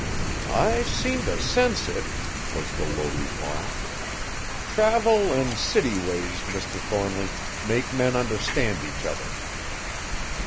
"I seem t' sense it," was the low reply. "Travel an' city ways, Mr. Thornly, make men understand each other."